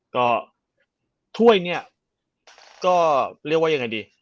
ก็ถ้วยเนี่ยก็เรียกว่ายังไงดี